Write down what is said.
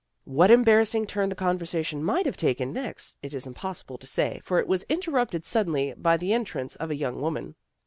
What embarrassing turn the conversation might have taken next it is impossible to say for it was interrupted suddenly by the entrance of a young woman.